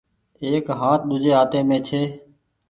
ايڪ هآت ۮوجھي هآتي مين ڇي۔